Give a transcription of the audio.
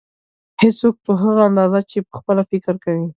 هېڅوک په هغه اندازه چې پخپله فکر کوي.